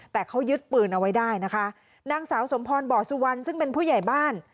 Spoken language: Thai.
แต่เขายึดปืนเอาไว้ได้นะคะนางสาวสมพรบ่อสุวรรณซึ่งเป็นผู้ใหญ่บ้าน